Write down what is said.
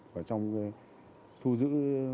và trong thu giữ